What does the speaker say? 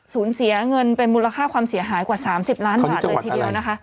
เสียเงินเป็นมูลค่าความเสียหายกว่า๓๐ล้านบาทเลยทีเดียวนะคะ